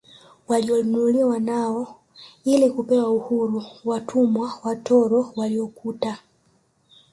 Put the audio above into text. Walionunuliwa nao ili kupewa uhuru watumwa watoro waliokuta